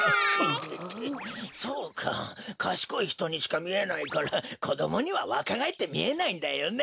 そうかかしこいひとにしかみえないからこどもにはわかがえってみえないんだよね。